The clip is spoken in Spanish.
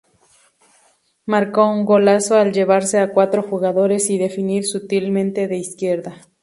Marcó un golazo al llevarse a cuatro jugadores y definir sutilmente de izquierda.